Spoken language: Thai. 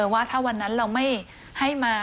ว่าถ้าวันนั้นเราไม่ให้มา